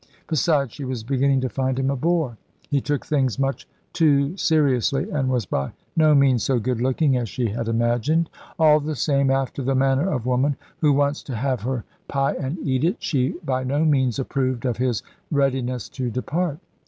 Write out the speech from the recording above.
Besides, she was beginning to find him a bore. He took things much too seriously, and was by no means so good looking as she had imagined. All the same, after the manner of woman, who wants to have her pie and eat it, she by no means approved of his readiness to depart.